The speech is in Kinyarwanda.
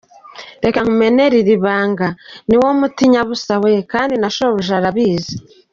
Reka nkumenere iri banga nibo muti nyabusa we, kandi na shobuja arabizi.